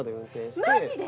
マジで！？